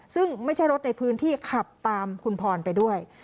ซึ่งไม่ใช่รถในพื้นที่ขับตามคุณพรไปด้วย